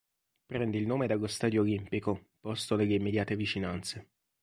Prende il nome dallo stadio olimpico, posto nelle immediate vicinanze.